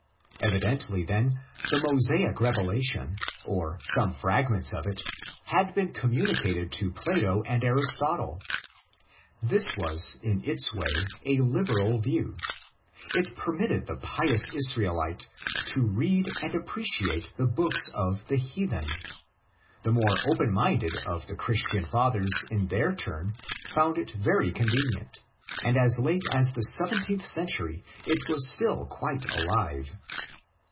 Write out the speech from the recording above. Evidently, then, the Mosaic revelation, or some fragments of it, had been communicated to Plato and Aristotle. This was in its way a liberal view. It permitted the pious Israelite to read and appreciate the books of the heathen. The more open minded of the Christian Fathers in their turn found it very con venient ; and as late as the seventeenth century it was still quite alive.